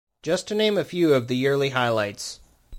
Just to name a few of the yearly highlights.